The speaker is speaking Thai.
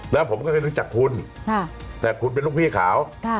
แล้วผมก็ไม่รู้จักคุณแต่คุณเป็นลูกพี่เขา